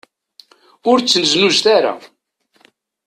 Ur ttneẓnuẓet ara.